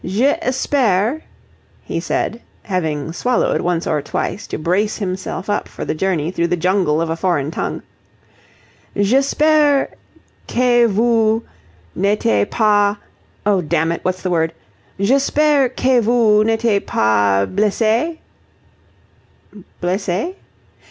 "J'espère," he said, having swallowed once or twice to brace himself up for the journey through the jungle of a foreign tongue, "J'espère que vous n'êtes pas oh, dammit, what's the word J'espère que vous n'êtes pas blessée?" "Blessée?"